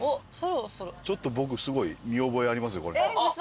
ちょっと僕すごい見覚えありますよ。